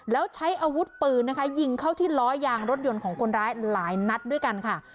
แล้วใช้อาวุธปืนนะคะยิงเข้าที่ล้อยางรถยนต์ของคนร้ายหลายนัดด้วยกันค่ะ